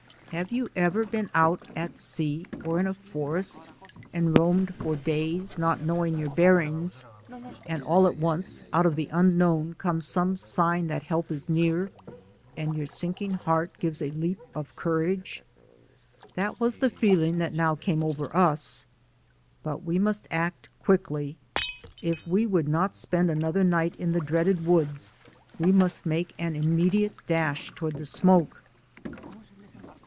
Have you ever been out at sea or in a forest and roamed for days not knowing 92 THE SOUL OF AN IMMIGRANT your bearings, and all at once out of the unknown comes some sign that help is near, and your sink ing heart gives a leap of courage? That was the feeling that now came over us. But we must act quickly. If we would not spend another night in the dreaded woods we must make an immediate dash toward the smoke.